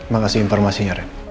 makasih informasinya re